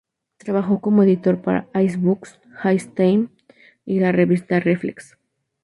Trabajó como editor para "Ace Books", "High Times" y la revista "Reflex".